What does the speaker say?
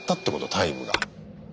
タイムが。